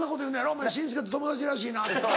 「お前紳助と友達らしいな」とか。